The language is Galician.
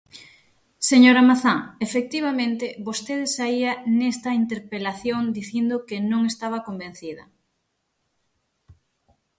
Señora Mazá, efectivamente, vostede saía nesta interpelación dicindo que non estaba convencida.